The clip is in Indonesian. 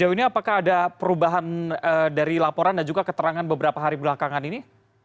sejauh ini apakah ada perubahan dari laporan dan juga keterangan beberapa hari belakangan ini